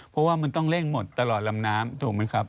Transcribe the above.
เพราะว่ามันต้องเร่งหมดตลอดลำน้ำถูกไหมครับ